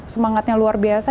semangatnya luar biasa